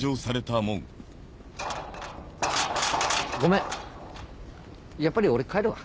ごめんやっぱり俺帰るわ。